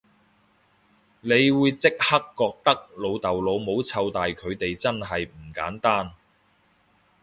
你會即刻覺得老豆老母湊大佢哋真係唔簡單